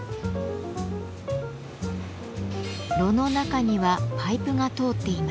炉の中にはパイプが通っています。